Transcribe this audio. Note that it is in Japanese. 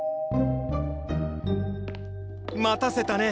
待たせたね。